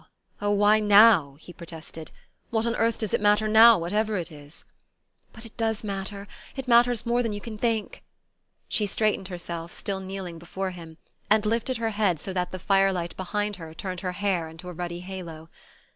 Oh, why now?" he protested. "What on earth does it matter now whatever it is?" "But it does matter it matters more than you can think!" She straightened herself, still kneeling before him, and lifted her head so that the firelight behind her turned her hair into a ruddy halo.